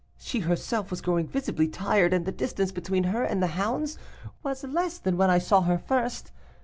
She herself was growing visibly tired, and the distance between her and the hounds was less than when I saw her first.